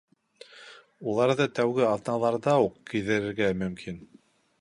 Уларҙы тәүге аҙналарҙа уҡ кейҙерергә мөмкин.